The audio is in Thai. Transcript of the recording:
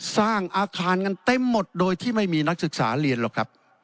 สร้างอาคารกันเต็มหมดโดยที่ไม่มีนักศึกษาเรียนหรอกครับ